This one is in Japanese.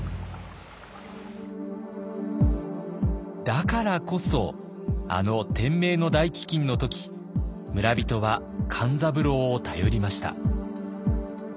だからこそあの天明の大飢饉の時村人は勘三郎を頼りました。